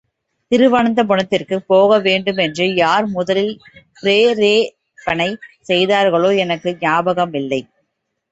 திருவனந்தபுரத்திற்குப் போகவேண்டுமென்று யார் முதலில் பிரேரேபணை செய்தார்களோ எனக்கு ஞாபகமில்லை.